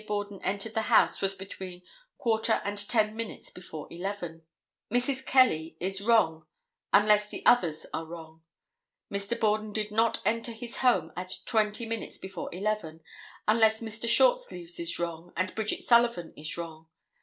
Borden entered the house was between quarter and ten minutes before 11. Mrs. Kelly is wrong unless the others are wrong. Mr. Borden did not enter his home at twenty minutes before 11 unless Mr. Shortsleeves is wrong and Bridget Sullivan is wrong.